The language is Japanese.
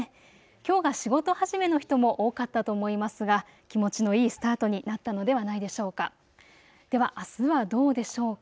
きょうが仕事始めの人も多かったと思いますが気持ちのいいスタートになったのではないでしょうか。